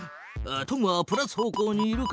トムはプラス方向にいるから。